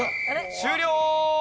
終了！